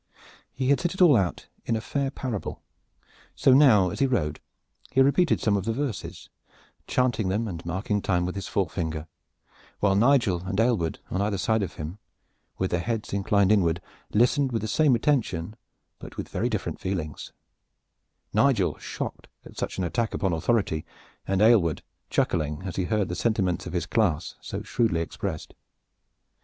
He had set it all out in a fair parable; so now as he rode he repeated some of the verses, chanting them and marking time with his forefinger, while Nigel and Aylward on either side of him with their heads inclined inward listened with the same attention, but with very different feelings Nigel shocked at such an attack upon authority, and Aylward chuckling as he heard the sentiments of his class so shrewdly expressed.